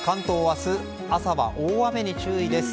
明日、朝は大雨に注意です。